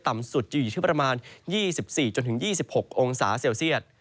ต่ำสุดจะอยู่ที่ประมาณ๒๔๒๖องศาเซลเซียต